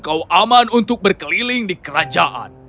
kau aman untuk berkeliling di kerajaan